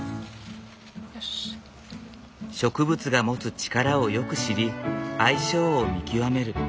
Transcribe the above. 植物が持つ力をよく知り相性を見極める。